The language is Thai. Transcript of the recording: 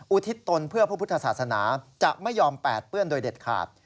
อุทิศตนเพื่อพระพุทธศาสนาจะไม่ยอมแปดเปื้อนโดยเด็ดขาด